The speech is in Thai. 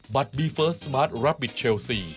บีเฟิร์สสมาร์ทรับบิทเชลซี